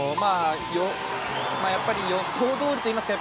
やっぱり予想どおりと言いますか